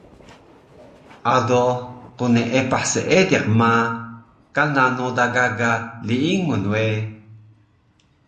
Ado qneepah seediq ma, kana noda gaga liingun we